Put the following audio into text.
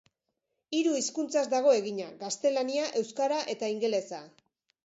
Hiru hizkuntzaz dago egina, gaztelania, euskara eta ingelesa.